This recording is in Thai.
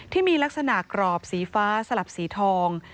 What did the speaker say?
ที่มีลักษณะกรอบสีฟ้าสลับสีทอง